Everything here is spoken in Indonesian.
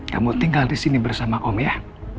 kamu tinggal di sini bersama om ya